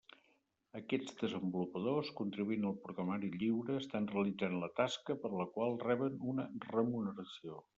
Aquests desenvolupadors, contribuint al programari lliure, estan realitzant la tasca per la qual reben una remuneració.